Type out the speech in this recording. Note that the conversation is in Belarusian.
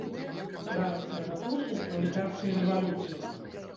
Рэакцыя на поступ пралетарскай рэвалюцыі!